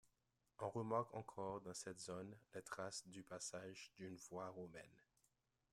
On remarque encore dans cette zone les traces du passage d'une voie romaine.